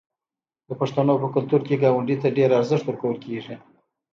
د پښتنو په کلتور کې ګاونډي ته ډیر ارزښت ورکول کیږي.